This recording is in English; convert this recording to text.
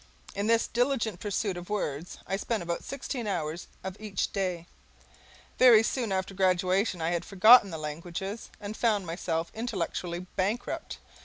In this diligent pursuit of words I spent about sixteen hours of each day. Very soon after graduation I had forgotten the languages, and found myself intellectually bankrupt.